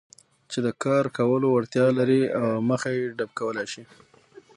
چې د کار کولو وړتیا لري او مخه يې ډب کولای شي.